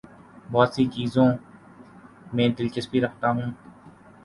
بہت سی چیزوں میں دلچسپی رکھتا ہوں